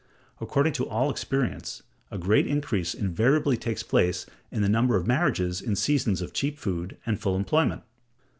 According to all experience, a great increase invariably takes place in the number of marriages in seasons of cheap food and full employment.